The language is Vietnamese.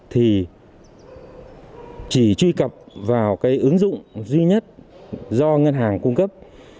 thì chỉ truy cập vào cái ứng dụng duy nhất do ngân hàng cung cấp